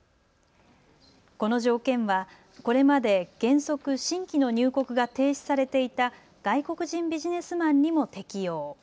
この条件は、これまで原則新規の入国が停止されていた外国人ビジネスマンにも適用。